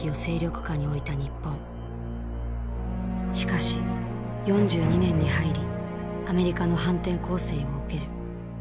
しかし４２年に入りアメリカの反転攻勢を受ける。